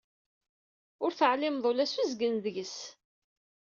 Ur teɛlimeḍ ula s uzgen deg-s.